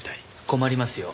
困りますよ